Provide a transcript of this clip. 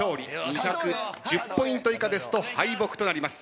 ２１０ポイント以下ですと敗北となります。